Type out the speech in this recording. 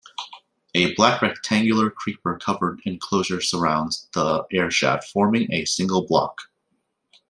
A black rectangular creeper-covered enclosure surrounds the air shaft, forming a single block.